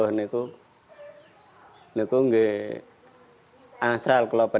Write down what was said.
saya juga tidak bisa menikah jalan ke jambriki